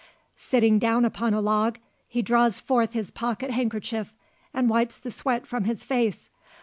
Sitting down upon a log, he draws forth his pocket handkerchief, and wipes the sweat from his face.